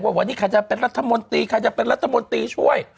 วันนี้ใครจะเป็นรัฐมนตรีใครจะเป็นรัฐมนตรีช่วย